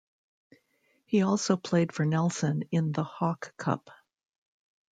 He also played for Nelson in the Hawke Cup.